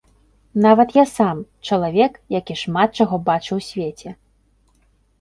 Нават я сам, чалавек, які шмат чаго бачыў у свеце.